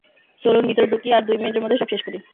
চলুন ভিতরে ঢুকি আর দুই মিনিটের মধ্যে সব শেষ করি।